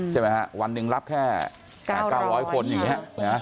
ใช่ไหมฮะวันหนึ่งรับแค่๙๐๐คนอย่างนี้